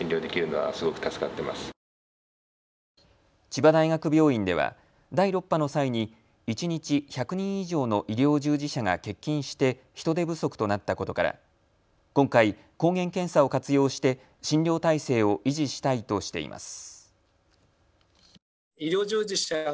千葉大学病院では第６波の際に一日１００人以上の医療従事者が欠勤して人手不足となったことから今回、抗原検査を活用して診療体制を維持したいとしています。